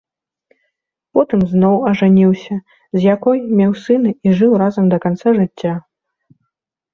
Потым зноў ажаніўся, з якой меў сына і жыў разам да канца жыцця.